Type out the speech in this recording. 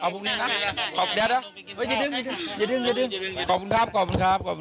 ประมาณ๕โมงในบ้านนะ